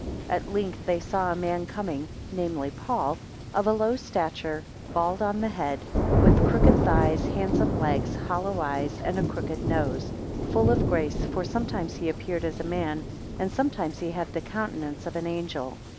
7 At length they saw a man coming (namely Paul), of a low stature, bald on the head; with crooked thighs, handsome legs, hollow eyes; and a crooked nose; full of grace, for sometimes he appeared as a man, sometimes he had the countenance of an angel.